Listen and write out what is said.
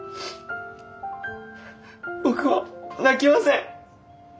僕は泣きません。